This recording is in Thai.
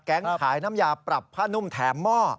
ขายน้ำยาปรับผ้านุ่มแถมหม้อ